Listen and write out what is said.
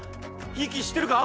息してるか？